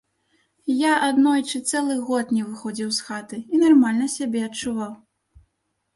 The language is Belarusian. Я аднойчы цэлы год не выходзіў з хаты і нармальна сябе адчуваў.